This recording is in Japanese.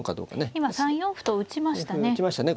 今３四歩と打ちましたね。